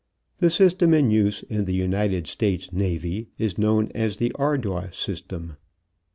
The system in use in the United States Navy is known as the Ardois system.